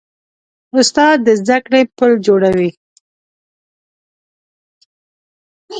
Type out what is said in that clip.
استاد د زدهکړې پل جوړوي.